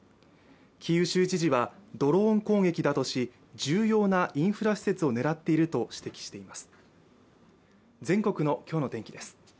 キーウ州知事は、ドローン攻撃だとし、重要なインフラ施設を狙っていると指摘しています。